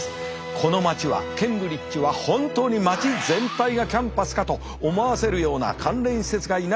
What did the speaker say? この街はケンブリッジは本当に街全体がキャンパスかと思わせるような関連施設が居並んでひしめいております。